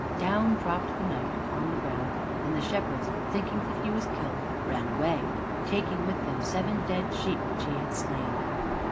Down dropped the Knight on the ground, and the shepherds thinking that he was killed, ran away, taking with them seven dead sheep which he had slain.